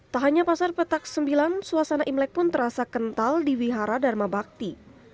tak hanya pasar petak sembilan suasana imlek pun terasa kental di wihara dharma bakti